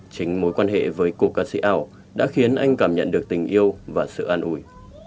chính mối quan hệ với cô ca sĩ ảo đã khiến anh cảm nhận được tình yêu và sự an ủi